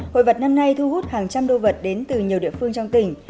hội vật năm nay thu hút hàng trăm đô vật đến từ nhiều địa phương trong tỉnh